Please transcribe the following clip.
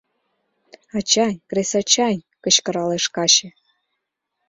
— Ачай, кресачай! — кычкыралеш каче.